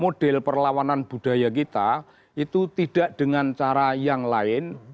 model perlawanan budaya kita itu tidak dengan cara yang lain